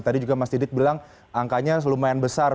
tadi juga mas didit bilang angkanya lumayan besar